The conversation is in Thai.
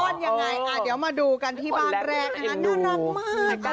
อ่อนอย่างงี้เดี๋ยวมาดูกันที่บ้านแรกนะครับน่ารักมาก